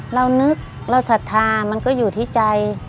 เรานึกเราศรัทธามันก็อยู่ที่ใจ